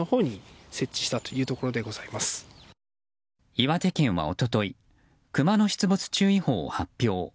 岩手県は、一昨日クマの出没注意報を発表。